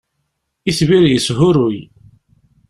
Itbir yeshuruy.